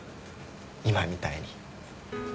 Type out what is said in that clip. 今みたいに。